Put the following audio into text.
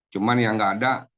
cuma yang nggak ada